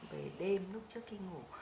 về đêm lúc trước khi ngủ